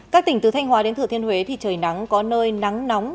các tỉnh từ thanh hóa đến thử thiên huế thì trời nắng có nơi nắng nóng